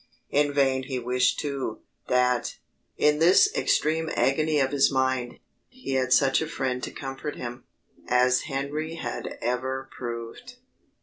In vain he wished too, that, in this extreme agony of his mind, he had such a friend to comfort him, as Henry had ever proved.